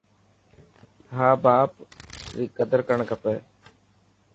ها باپ ري قدر ڪرڻ کپي.